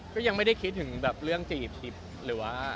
กันยังไม่ได้คิดถึงเรื่องจีบฮบดู